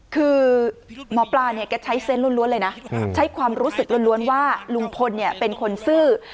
คือหมอปลาเนี่ยแกใช้เซนต์ล้วนเลยนะใช้ความรู้สึกล้วนว่าลุงพลเนี่ยเป็นคนซื่อ